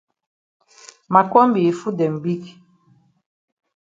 Ma kombi yi foot dem big.